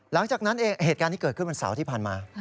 หลังจากนั้นเหตุการณ์ที่เกิดขึ้นวันเสาร์ที่ผ่านมา